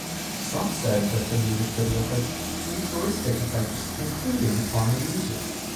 Some said that the music video has futuristic effects including on the music.